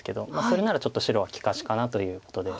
それならちょっと白は利かしかなということで。